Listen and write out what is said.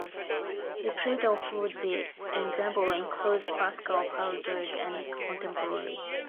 Repertoire for the ensemble includes Classical, Patriotic, and Contemporary.